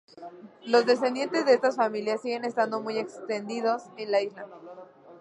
Los descendientes de estas familias siguen estando muy extendidos en la isla.